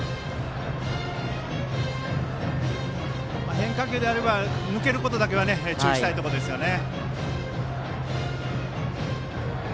変化球であれば抜けることだけは注意したいですね。